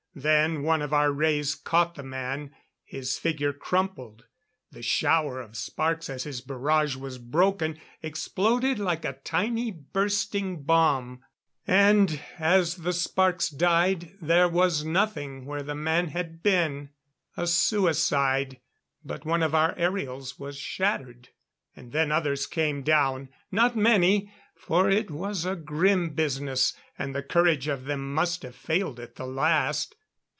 Then one of our rays caught the man; his figure crumpled; the shower of sparks as his barrage was broken, exploded like a tiny bursting bomb; and as the sparks died, there was nothing where the man had been. A suicide; but one of our aerials was shattered. And then others came down not many, for it was grim business and the courage of them must have failed at the last.